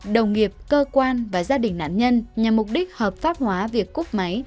đồng nghiệp cơ quan và gia đình nạn nhân nhằm mục đích hợp pháp hóa việc cúc máy